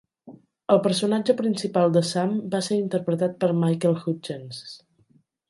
El personatge principal de Sam va ser interpretat per Michael Hutchence.